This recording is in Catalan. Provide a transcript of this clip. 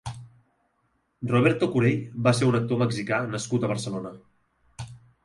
Roberto Corell va ser un actor mexicà nascut a Barcelona.